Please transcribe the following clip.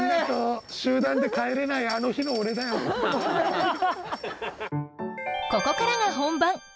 ここからが本番。